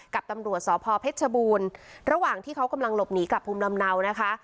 กับตำรวจสพเพชรชบูรณ์ระหว่างที่เขากำลังหลบหนีกลับภูมิลำเนานะคะ